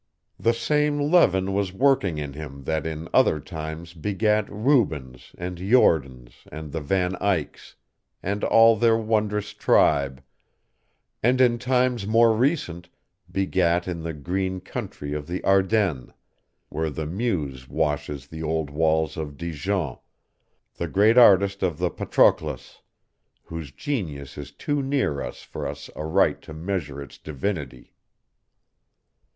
The same leaven was working in him that in other times begat Rubens and Jordaens and the Van Eycks, and all their wondrous tribe, and in times more recent begat in the green country of the Ardennes, where the Meuse washes the old walls of Dijon, the great artist of the Patroclus, whose genius is too near us for us aright to measure its divinity.